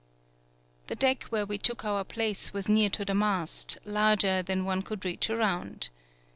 The deck where we took our place was near to the mast, larger than one could reach around.